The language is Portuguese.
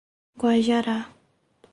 Guajará